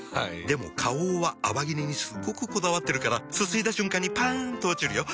でも花王は泡切れにすっごくこだわってるからすすいだ瞬間にパン！と落ちるよ。